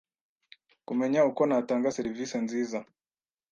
kumenya uko natanga serivisi nziza